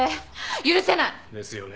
許せない！ですよね。